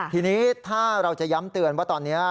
ทีนี้ถ้าเราจะย้ำเตือนว่าตอนนี้